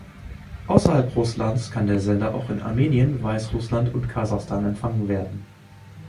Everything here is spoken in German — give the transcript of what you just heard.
Außerhalb Russlands kann der Sender auch in Armenien, Weißrussland und Kasachstan empfangen werden.